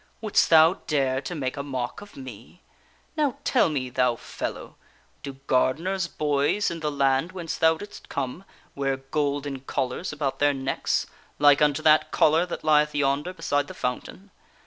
" Wouldst thou dare to make a mock of me ? Now tell me, thou fellow, do gardeners' boys in the land whence thou didst come wear golden collars about their necks like unto that collar that lieth yonder beside the fountain